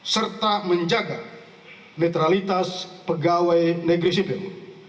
serta menjaga netralitas pegawai negeri sipil